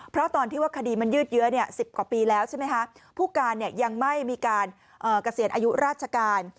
เพราะตอนที่ว่าคดีมันยืดเยอะ๑๐กว่าปีแล้วใช่ไหมคะผู้การยังไม่มีการเกษียณอายุราชการ